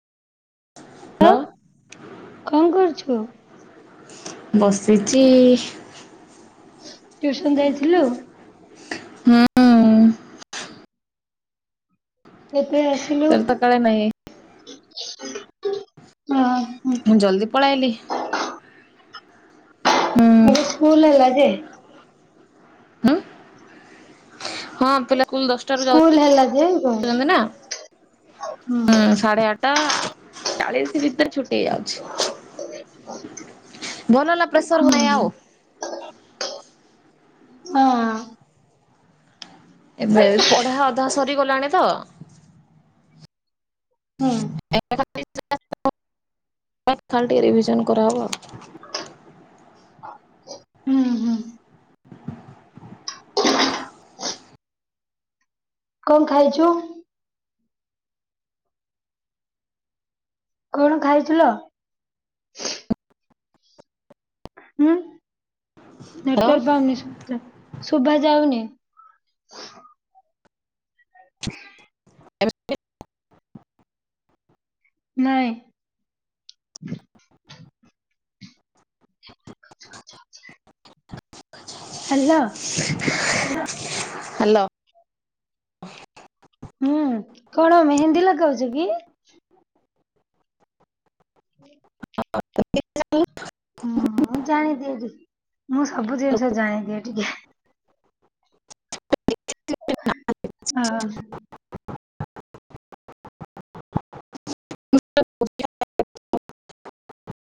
ହ ହ୍ୟାଲୋ କଣ କରୁଛୁ? ବସିଛି। ଟିଉସନ ଦେଇଥିଲୁ? ହଁ। କେବେ ଆସିଲୁ? ତ ତା କାଳେ ନାହି। ହଁ। ମୁଁ ଜଲ୍ଦି ପଳାଇଲି। ଏବେ ସ୍କୁଲ ହେଇଗଲା ଯେ ହୁଁ। ହଁ ପିଲା ସ୍କୁଲ ଦଶଟାରୁ ସ୍କୁଲ ହେଲା ଯେ କଣ? ଯାଉଛନ୍ତି ନା ହୁଁ ସାଢେ ଆଠଟା ଚାଳିଶ ଭିତରେ ଛୁଟି ହେଇଯାଉଛି। ଭଲ ହେଲା ପ୍ରେସର ହଉ ନାହିଁ ଆଉ। ହଁ। ଏବେ ପଢା ଅଧା ସରିଗଲାଣି ତ ହଁ। [unintelligible] ଖଲଟି ରିଭିଜନ କରହବ ଆଉ। ହୁଁ ହୁଁ କଣ ଖାଇଛୁ? କଣ ଖାଇଥିଲ? ହୁଁ ହ୍ୟାଲୋ ନେଟୱାର୍କ ପାଉନି ଶୋଭା ଯାଉନି। [unintelligible] [unintelligible] ନାହିଁ। [unintelligible] ହାଲୋ। ହ୍ୟାଲୋ। ହୁଁ କଣ ମେହେନ୍ଦୀ ଲଗାଉଛୁ କି? [inaudible] ନାଇଁ। ହୁଁ ମୁଁ ଜାଣିଦିଏ ଟିକେ ମୁଁ ସବୁ ଜିନିଷ ଜାଣିଦିଏ ଟିକେ। ହଁ। [unintelligible]